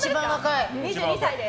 ２２歳です。